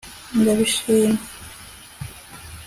ndabishima